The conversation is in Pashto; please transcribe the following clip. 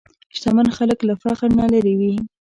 شتمن خلک له فخر نه لېرې وي.